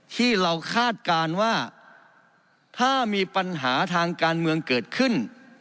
ที่เราคาดการณ์ว่าถ้ามีปัญหาทางการเมืองเกิดขึ้น